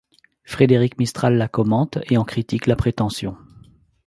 Frédéric Mistral la commente et en critique la prétention.